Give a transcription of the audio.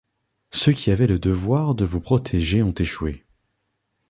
Ceux qui avaient le devoir de vous protéger ont échoué.